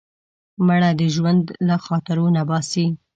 مړه د ژوند له خاطرو نه باسې